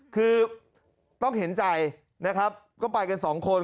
คือต้องเห็นใจนะครับก็ไปกันสองคน